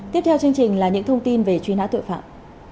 tiếp theo là những thông tin về truy nã tội phạm